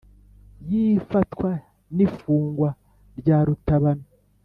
y’ifatwa n’ifungwa rya rutabana.